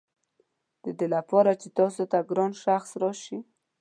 ددې لپاره چې تاسو ته ګران شخص راشي.